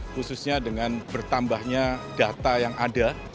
khususnya dengan bertambahnya data yang ada